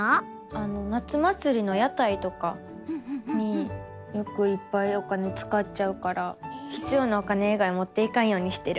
あの夏まつりのやたいとかによくいっぱいお金つかっちゃうからひつようなお金いがいもっていかんようにしてる。